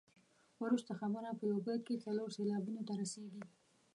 وروسته خبره په یو بیت کې څلور سېلابونو ته رسيږي.